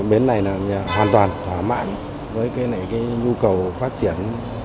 bến này là hoàn toàn thỏa mãn với cái nhu cầu phát triển